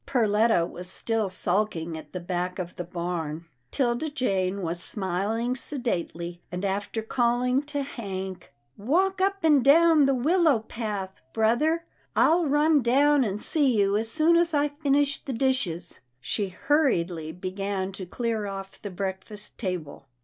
Perletta was still sulking at the back of the barn. PERLETTA PUZZLES HER FRIENDS 289 'Tilda Jane was smiling sedately, and after calling to Hank, " Walk up and down the willow path, brother. I'll run down and see you as soon as I finish the dishes," she hurriedly began to clear off the breakfast table.